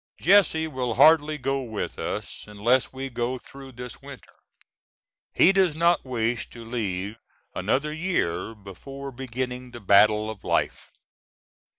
Jesse will hardly go with us unless we go through this winter. He does not wish to leave another year before beginning the battle of life.